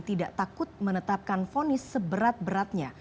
tidak takut menetapkan fonis seberat beratnya